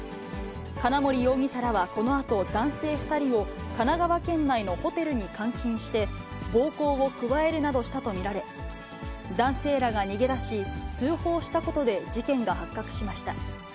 金森容疑者らはこのあと男性２人を神奈川県内のホテルに監禁して、暴行を加えるなどしたと見られ、男性らが逃げ出し、通報したことで事件が発覚しました。